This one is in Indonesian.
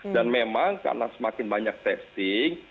dan memang karena semakin banyak testing